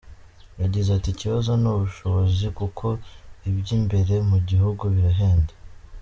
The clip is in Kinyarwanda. Yagize ati “Ikibazo ni ubushobozi kuko iby’imbere mu gihugu birahenda.